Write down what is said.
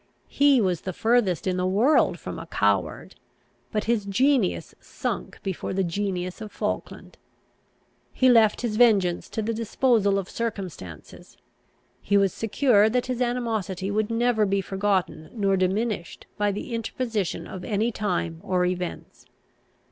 He was the furthest in the world from a coward; but his genius sunk before the genius of Falkland. He left his vengeance to the disposal of circumstances. He was secure that his animosity would never be forgotten nor diminished by the interposition of any time or events.